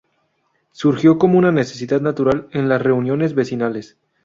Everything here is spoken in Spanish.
Surgió como una necesidad natural en las reuniones vecinales.